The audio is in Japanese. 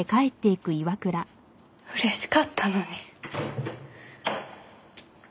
嬉しかったのに。